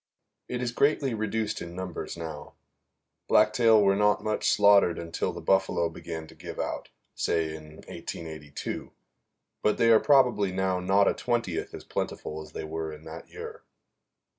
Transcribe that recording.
It is greatly reduced in numbers now. Blacktail were not much slaughtered until the buffalo began to give out, say in 1882; but they are probably now not a twentieth as plentiful as they were in that year.